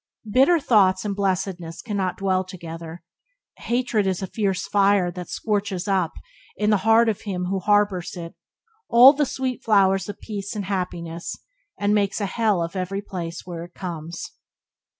Bitter thoughts and blessedness cannot dwell together. Hatred is a fierce fire that scorches up, in the heart of him who harbours it, all the sweet flowers of peace and happiness, and makes a hell of every place where it comes.